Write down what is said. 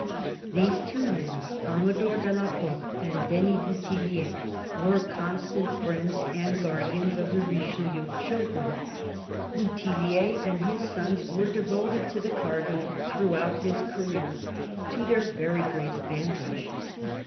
These two men, Amador de la Porte and Denys Bouthillier, were constant friends and guardians of the Richelieu children. Bouthillier and his sons were devoted to the Cardinal throughout his career, to their very great advantage.